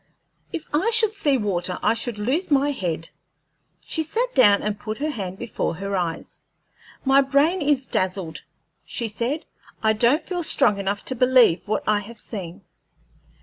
If I should see water, I should lose my head." She sat down and put her hand before her eyes. "My brain is dazzled," she said. "I don't feel strong enough to believe what I have seen."